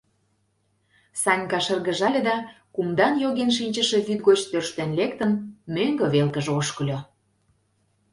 — Санька шыргыжале да, кумдан йоген шинчыше вӱд гоч тӧрштен лектын, мӧҥгӧ велкыже ошкыльо.